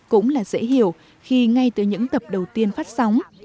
cũng là dễ hiểu khi ngay từ những tập đầu tiên phát sóng